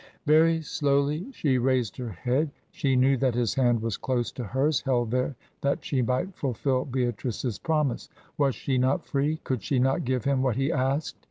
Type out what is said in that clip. Very slowly she raised her head. She knew that his hand was close to hers, held there that she might fulfil Beatrice's promise. Was she not free? Could she not give him what he asked?